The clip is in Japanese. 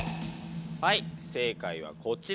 はい正解はこちら。